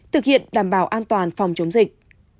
thực hiện đảm bảo an toàn phòng chống dịch